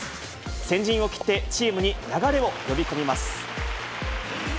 先陣を切って、チームに流れを呼び込みます。